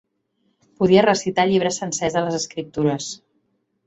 Podia recitar llibres sencers de les escriptures.